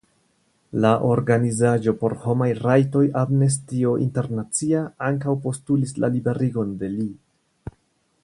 La organizaĵo por homaj rajtoj Amnestio Internacia ankaŭ postulis la liberigon de li.